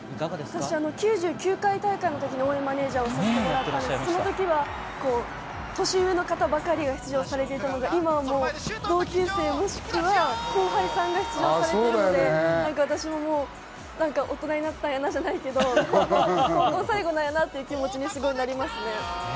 私、９９回大会の時の応援マネージャーをさせてもらったんですが、その時は年上の方ばかりが出場されていたので、今は同級生、もしくは後輩さんが出場されているので、何か私も大人になったではないけど高校最後だなという気持ちになりますね。